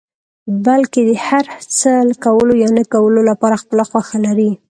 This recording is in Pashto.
بلکې د هر څه کولو يا نه کولو لپاره خپله خوښه لري.